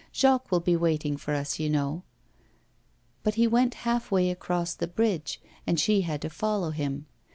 Jacques will be waiting for us, you know.' But he went half way across the bridge, and she had to follow him.